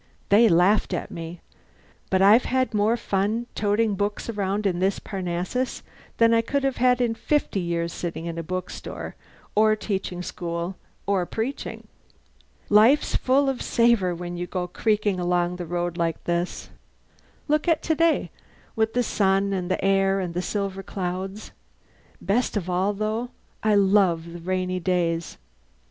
They laughed at me. But I've had more fun toting books around in this Parnassus than I could have had in fifty years sitting in a bookstore, or teaching school, or preaching. Life's full of savour when you go creaking along the road like this. Look at today, with the sun and the air and the silver clouds. Best of all, though, I love the rainy days.